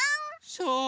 そう。